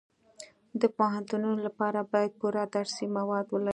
د پوهنتونونو لپاره باید پوره درسي مواد ولرو